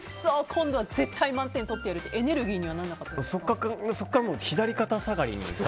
今度は絶対満点取ってやるってエネルギーにはそこから左肩下がりです。